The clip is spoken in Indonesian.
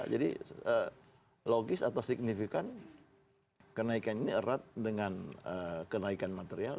jadi logis atau signifikan kenaikan ini erat dengan kenaikan material